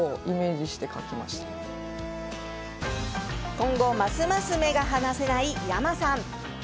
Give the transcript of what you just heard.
今後、ますます目が離せないｙａｍａさん。